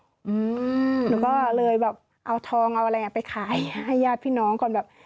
หนูก็เลยแบบเอาทองเอาอะไรอ่ะไปขายให้ญาติพี่น้องก่อนแบบ